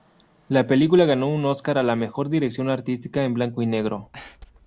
La película ganó un Oscar a la mejor dirección artística en blanco y negro.